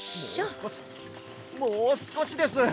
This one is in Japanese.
もうすこしもうすこしです。